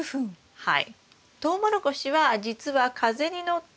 はい。